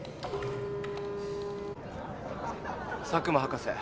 佐久間博士。